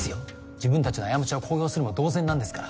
自分たちの過ちを公表するも同然なんですから。